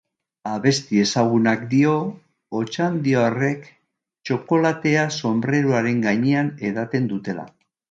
Abesti ezagunak dio, otxandioarrek txokolatea sonbreruaren gainean edaten dutela.